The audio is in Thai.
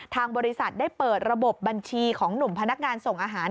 ทางบริษัทได้เปิดระบบบัญชีของหนุ่มพนักงานส่งอาหาร